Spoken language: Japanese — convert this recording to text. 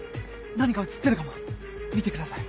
何か写ってるかも見てください。